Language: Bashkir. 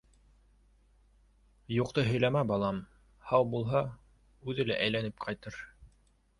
— Юҡты һөйләмә, балам, һау булһа, үҙе лә әйләнеп ҡайтыр.